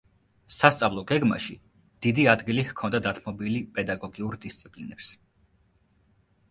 სასწავლო გეგმაში დიდი ადგილი ჰქონდა დათმობილი პედაგოგიურ დისციპლინებს.